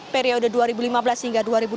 periode dua ribu lima belas hingga dua ribu dua puluh